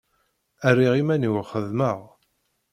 Rriɣ iman-iw xeddmeɣ.